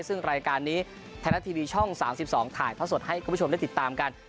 ซึ่งรายการนี้ไทยนัททีวีช่องสามสิบสองถ่ายเพราะส่วนให้คุณผู้ชมได้ติดตามกัน